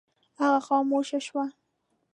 هغه خاموشه شوه.